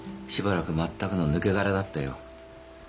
しばらくまったくの抜け殻だったよ。